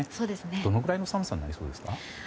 どのくらいの寒さになりそうですか？